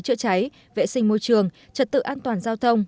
chữa cháy vệ sinh môi trường trật tự an toàn giao thông